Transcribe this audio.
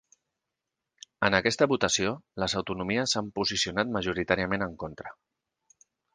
En aquesta votació les autonomies s’han posicionat majoritàriament en contra.